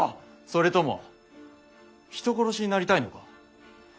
それとも人殺しになりたいのか？